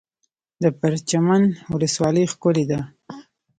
د پرچمن ولسوالۍ ښکلې ده